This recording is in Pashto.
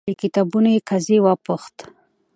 له کتابونو یې. قاضي وپوښت،